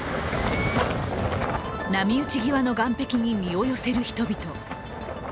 波打ち際の岸壁に身を寄せる人々。